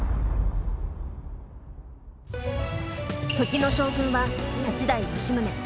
時の将軍は八代・吉宗。